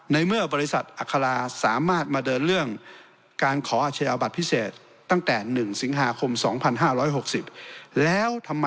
ในเมื่อบริษัทอัคราสามารถมาเดินเรื่องการขออาชญาบัตรพิเศษตั้งแต่๑สิงหาคม๒๕๖๐แล้วทำไม